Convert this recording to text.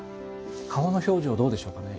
顔の表情はどうでしょうかね？